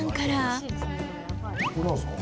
これ何すか？